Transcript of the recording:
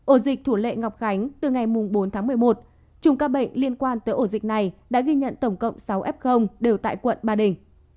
ổ dịch thủ lệ ngọc khánh từ ngày bốn tháng một mươi một chùm ca bệnh liên quan tới ổ dịch này đã ghi nhận tổng cộng sáu f đều tại quận ba đình